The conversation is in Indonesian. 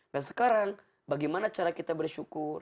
dari sekarang bagaimana cara kita berisyukur